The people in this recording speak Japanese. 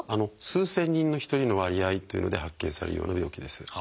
数千人に１人の割合っていうので発見されるような病気です。